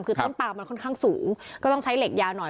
คือต้นปามมันค่อนข้างสูงก็ต้องใช้เหล็กยาวหน่อย